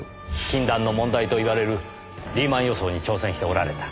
禁断の問題といわれるリーマン予想に挑戦しておられた。